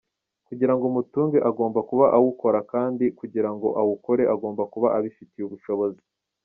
Kugira ngo umutunge agomba kuba awukora kandi kugira ngo awukore agomba kuba abifitiye ubushobozi.